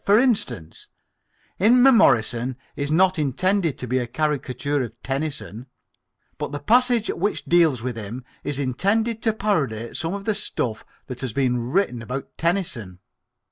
For instance, Inmemorison is not intended to be a caricature of Tennyson, but the passage which deals with him is intended to parody some of the stuff that has been written about Tennyson.